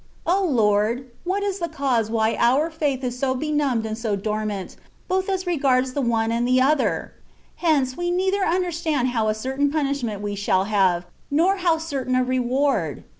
O Lord ! what is the cause why our faith is so benumbed and so dormant, both as regards the one and the other ? Hence, we neither understand how certain a punishment we shall have, nor how certain a reward.